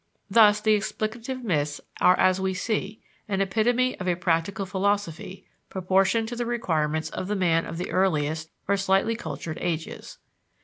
Thus, the explicative myths are as we see, an epitome of a practical philosophy, proportioned to the requirements of the man of the earliest, or slightly cultured ages.